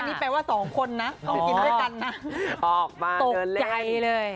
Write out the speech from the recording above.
นี่แปลว่า๒คนน่ะต้องกินด้วยกันนะออกมาเดินเล่นตกใจเลย